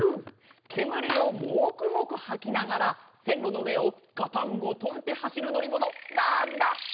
けむりをモクモクはきながらせんろのうえをガタンゴトンってはしるのりものなんだ？